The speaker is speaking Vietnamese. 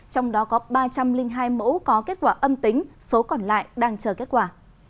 trong đó có ba trăm linh hai mẫu có kết quả âm tính số còn lại đang chờ kết quả